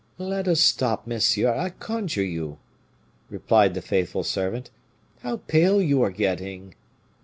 "Let us stop, monsieur I conjure you!" replied the faithful servant; "how pale you are getting!"